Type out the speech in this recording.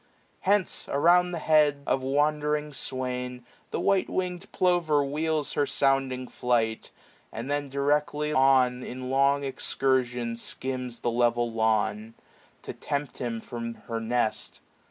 Hence, around the head Of wandering swain, the white wingM plover wheels Her sounding flight ; and then directly on In long excursion skims the level lawn. To tempt him from her nest.